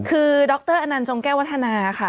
คือดรอนันต์จงแก้ววัฒนาค่ะ